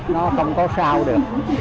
nó không có sao được